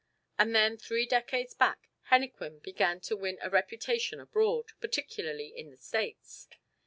And then three decades back henequen began to win a reputation abroad, particularly in the States.